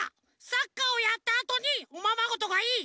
サッカーをやったあとにおままごとがいい！